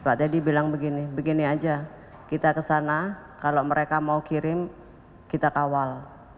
pak teddy bilang begini begini aja kita kesana kalau mereka mau kirim kita kawal